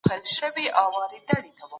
ټولنيزې هوساينې پروګرامونه چا ته ګټه رسوي؟